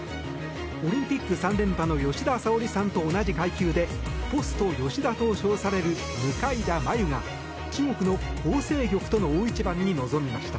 オリンピック３連覇の吉田沙保里さんと同じ階級でポスト吉田と称される向田真優が中国のホウ・セイギョクとの大一番に臨みました。